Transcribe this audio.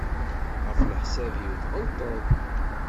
Ɣef leḥsab-iw tɣelṭeḍ.